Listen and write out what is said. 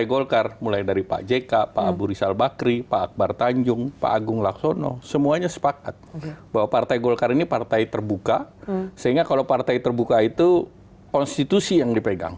oke bajak lautnya itu yang